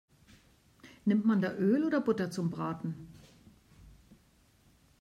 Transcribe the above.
Nimmt man da Öl oder Butter zum Braten?